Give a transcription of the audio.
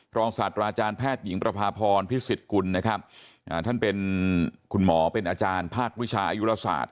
พรองศาสตราจารย์แพทย์หญิงประภาพรพิศิษฐ์กุลท่านคุณหมอเป็นอาจารย์ภาควิชายุโลศาสตร์